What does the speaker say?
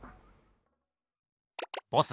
ボス